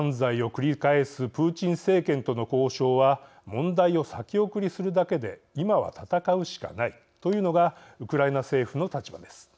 プーチン政権との交渉は問題を先送りするだけで今は戦うしかないというのがウクライナ政府の立場です。